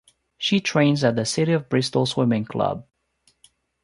She trains at the City of Bristol Swimming Club.